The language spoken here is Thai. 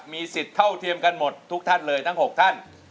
มีสิทธิ์เท่าเทียมกันหมดทุกท่านเลยทั้ง๖ท่าน